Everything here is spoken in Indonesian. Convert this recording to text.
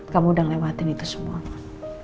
kamu udah ngelewatin itu semua kan